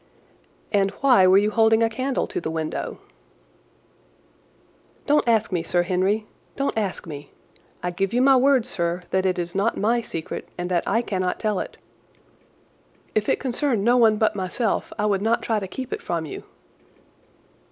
"And why were you holding a candle to the window?" "Don't ask me, Sir Henry—don't ask me! I give you my word, sir, that it is not my secret, and that I cannot tell it. If it concerned no one but myself I would not try to keep it from you."